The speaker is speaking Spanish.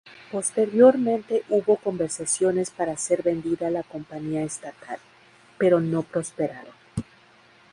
Posteriormente hubo conversaciones para ser vendida a la Compañía estatal, pero no prosperaron.